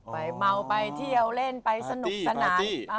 ไปเมาไปเที่ยวเล่นไปสนุกสนาน